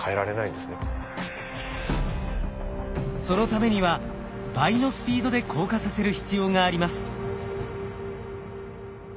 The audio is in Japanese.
そのためには倍のスピードで降下させる必要があります。